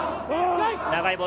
長いボール。